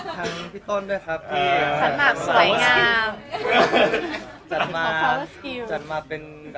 เสียประตูไหนบ้าง